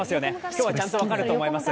今日はちゃんと分かると思います。